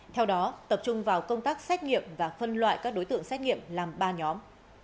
theo đó tập trung vào công tác xét nghiệm và phân loại các đối tượng xét nghiệm làm ba nhóm